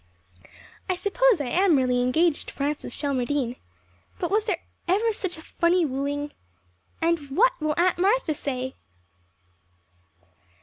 I suppose I am really engaged to Francis Shelmardine. But was there ever such a funny wooing? And what will Aunt Martha say?